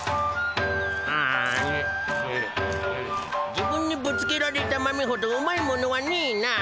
自分にぶつけられた豆ほどうまいものはねえな。